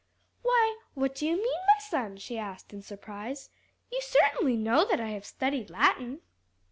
"Why, what do you mean, my son?" she asked in surprise; "you certainly know that I have studied Latin."